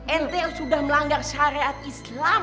ente yang sudah melanggar syariat islam